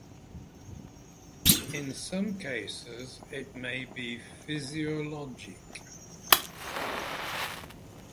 In some cases, it may be physiologic.